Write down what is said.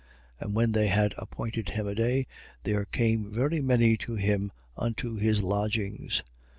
28:23. And when they had appointed him a day, there came very many to him unto his lodgings.